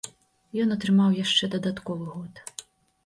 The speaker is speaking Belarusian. Ён атрымаў яшчэ дадатковы год.